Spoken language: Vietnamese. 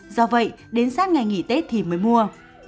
do vậy đến sát ngày nghỉ tết thì mới mua